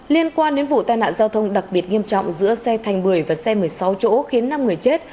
liên quan đến vụ tai nạn giao thông đặc biệt nghiêm trọng giữa xe thành bưởi và xe một mươi sáu chỗ khiến năm người chết